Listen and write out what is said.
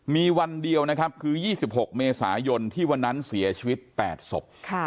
มีวันเดียวนะครับคือ๒๖เมษายนที่วันนั้นเสียชีวิต๘ศพ